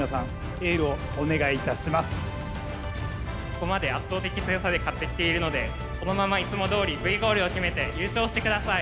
ここまで圧倒的強さで勝ってきているのでこのままいつもどおりＶゴールを決めて優勝して下さい。